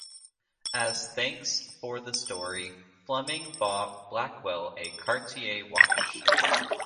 As thanks for the story, Fleming bought Blackwell a Cartier watch.